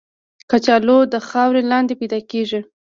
کچالو د خاورې لاندې پیدا کېږي